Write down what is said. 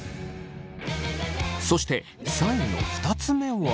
そして３位の２つ目は。